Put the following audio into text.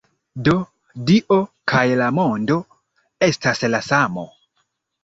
Do, Dio kaj la mondo estas la samo.